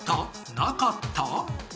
なかった？